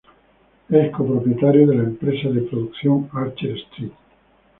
Es co-propietario de la empresa de producción "Archer Street".